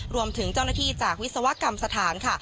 รวมถึงเจ้าหน้าที่จากวิศวกรรมสถานค่ะ